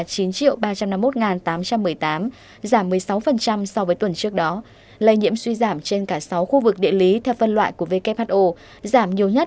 giảm một mươi sáu so với tuần trước đó lây nhiễm suy giảm trên cả sáu khu vực địa lý theo phân loại của who giảm nhiều nhất